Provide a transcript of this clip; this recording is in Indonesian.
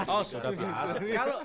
oh sudah pak